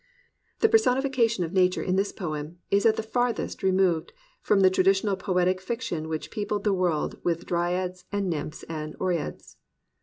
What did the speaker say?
The personification of Nature in this poem is at the farthest removed from the traditional poetic fiction which peopled the world with Dryads and Nymphs and Oreads.